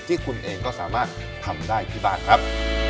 ที่คุณเองก็สามารถทำได้ที่บ้านครับ